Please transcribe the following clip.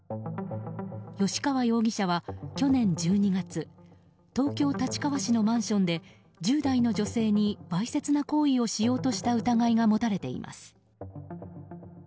吉川容疑者は去年１２月東京・立川市のマンションで１０代の女性にわいせつな行為をしようとした疑いが持たれています。